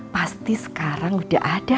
pasti sekarang udah ada